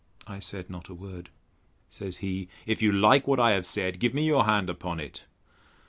I said not a word. Says he, If you like what I have said, give me your hand upon it.